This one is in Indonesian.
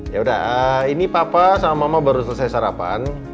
ya udah ini papa sama mama baru selesai sarapan